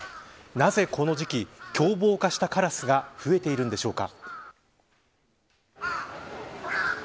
なぜこの時期凶暴化したカラスが増えているのでしょうか。